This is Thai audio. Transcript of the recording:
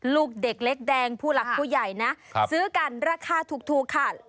ลูกเด็กเล็กแดงผู้หลักผู้ใหญ่นะซื้อกันราคาถูกค่ะ